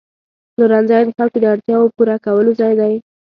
پلورنځی د خلکو د اړتیاوو پوره کولو ځای دی.